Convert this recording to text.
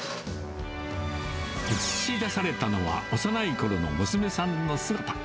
映し出されたのは、幼いころの娘さんの姿。